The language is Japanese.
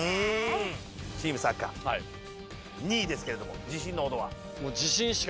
チームサッカー２位ですけれども自信のほどは？